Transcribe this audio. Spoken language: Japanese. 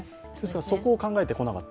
そこを考えてこなかった。